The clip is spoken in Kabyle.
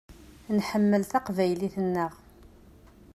Nḥemmel taqbaylit-nneɣ.